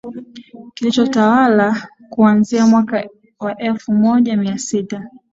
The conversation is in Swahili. Kilichotawala kuanzia mwaka wa elfu moja mia sita